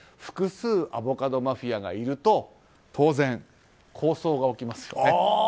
複数のアボカドマフィアがいると当然、抗争が起きますよね。